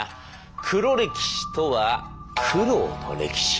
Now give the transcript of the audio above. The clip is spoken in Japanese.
黒歴史とは「苦労の歴史」。